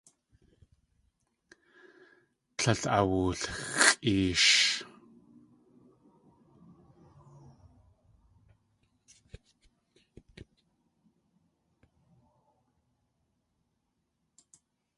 Tlél awulxʼeesh.